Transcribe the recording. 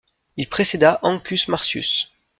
Il précéda Ancus Marcius.